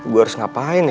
gue harus ngapain ya